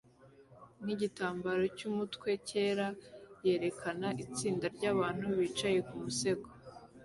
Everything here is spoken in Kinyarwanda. nigitambaro cyumutwe cyera yerekana itsinda ryabantu bicaye ku musego